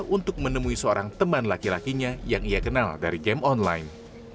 untuk menemui seorang teman laki lakinya yang ia kenal dari game online